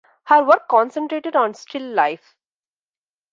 Her work concentrated on still life.